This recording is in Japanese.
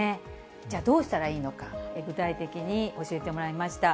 じゃあ、どうしたらいいのか、具体的に教えてもらいました。